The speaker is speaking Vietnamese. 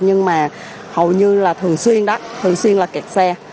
nhưng mà hầu như là thường xuyên đó thường xuyên là kẹt xe